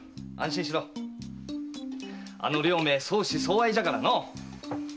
あの両名相思相愛じゃからのう。